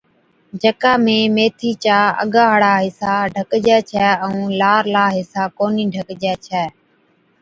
جڪا ۾ ميٿِي چا اگا ھاڙا حصا ڍڪجَي ڇَي ائُون لارلا حصا ڪونھِي ڍڪجَي ڇَي